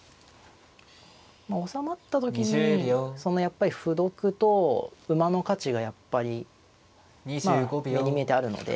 まあ収まった時にそのやっぱり歩得と馬の価値がやっぱりまあ目に見えてあるので。